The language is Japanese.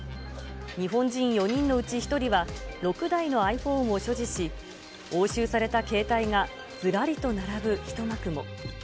日本人４人のうち１人は６台のｉＰｈｏｎｅを所持し、押収された携帯がずらりと並ぶ一幕も。